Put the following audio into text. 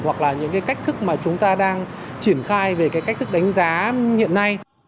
hoặc là những cái cách thức mà chúng ta đang triển khai về cái cách thức đánh giá hiện nay